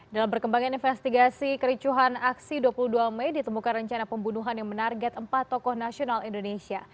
dalam perkembangan investigasi kericuhan aksi dua puluh dua mei ditemukan rencana pembunuhan yang menarget empat tokoh nasional indonesia